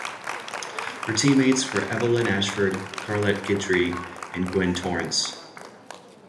Her teammates were Evelyn Ashford, Carlette Guidry and Gwen Torrence.